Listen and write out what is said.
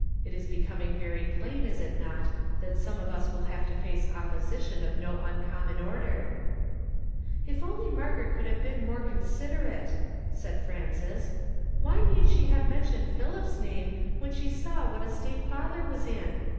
It is becoming very plain, is it not, that some of us will have to face opposition of no com mon order? " "If only Margaret could have been more con "WHO HATH BELIEVED OUll REPORT?" 93 siderate !'' said Frances. " Why need she have mentioned Philip's name, when she saw what a state fatlier was in